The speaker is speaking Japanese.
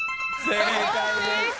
正解です。